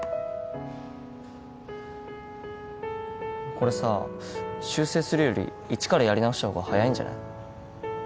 これさ修正するよりイチからやり直した方が早いんじゃない？